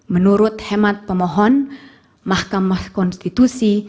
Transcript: menurut hemat pemohon mahkamah konstitusi